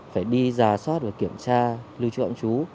phải đi giả soát và kiểm tra lưu trưởng chú